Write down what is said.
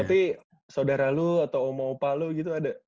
tapi saudara lu atau omah opah lu gitu ada